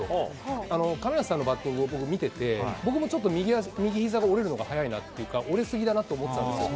亀梨さんのバッティング、僕見てて、僕もちょっと、右ひざが折れるのが速いなというか、折れ過ぎだなと思ってたんですよ。